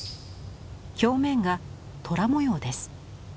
表面が虎模様です。